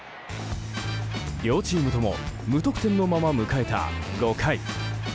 両チームとも無得点のまま迎えた５回。